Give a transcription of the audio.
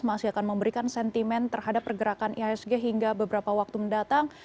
masih akan memberikan sentimen terhadap pergerakan ihsg hingga beberapa waktu mendatang